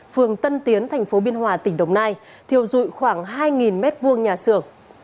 phường tân tiến tp biên hòa tỉnh đồng nai thiêu dụi khoảng hai m hai nhà sửa